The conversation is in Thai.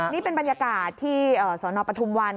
นี่เป็นบรรยากาศที่สนปทุมวัน